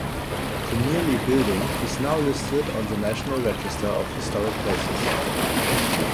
The nearly building is now listed on the National Register of Historic Places.